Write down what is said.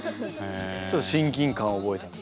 ちょっと親近感を覚えたと。